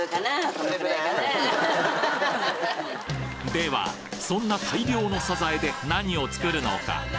ではそんな大量のサザエで何を作るのか？